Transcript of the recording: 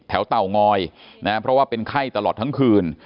เตางอยนะเพราะว่าเป็นไข้ตลอดทั้งคืน